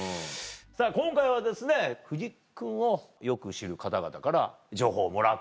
今回は藤木君をよく知る方々から情報をもらっていると。